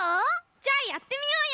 じゃあやってみようよ！